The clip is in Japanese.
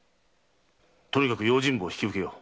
とにかく用心棒を引き受けよう。